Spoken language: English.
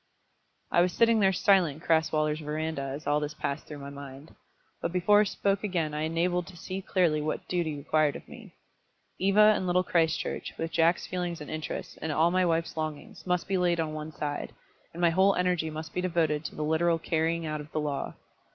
I was sitting there silent in Crasweller's verandah as all this passed through my mind. But before I spoke again I was enabled to see clearly what duty required of me. Eva and Little Christchurch, with Jack's feelings and interests, and all my wife's longings, must be laid on one side, and my whole energy must be devoted to the literal carrying out of the law.